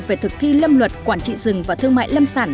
về thực thi lâm luật quản trị rừng và thương mại lâm sản